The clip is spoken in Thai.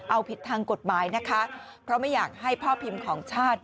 เอาผิดทางกฎหมายนะคะเพราะไม่อยากให้พ่อพิมพ์ของชาติ